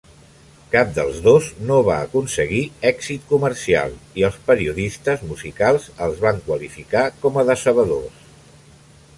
Cap dels dos no va aconseguir èxit comercial i els periodistes musicals els van qualificar com a decebedors.